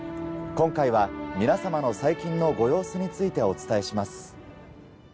今回は皆さまの最近のご様子についてお伝えします。